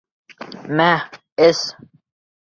Мә, эс.